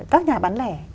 các nhà bán lẻ